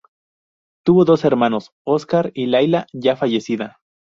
Tuvo dos hermanos: Óscar y Laila ya fallecida.